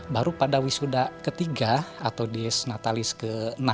baru pada wisuda ketiga atau di senatalis ke enam